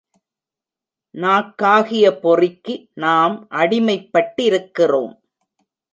நாக்காகிய பொறிக்கு நாம் அடிமைப்பட்டிருக்கிறோம்.